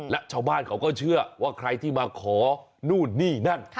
และชาวบ้านเขาก็เชื่อว่าใครที่มาขอนู่นนี่นั่น